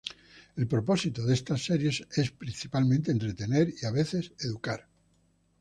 El propósito de estas series son principalmente entretener y a veces educar.